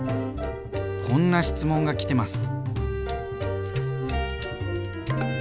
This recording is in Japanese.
こんな質問がきてます。